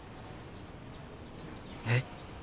えっ？